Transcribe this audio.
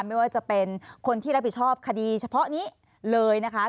ไม่ว่าจะเป็นคนที่รับผิดชอบคดีเฉพาะนี้เลยนะคะ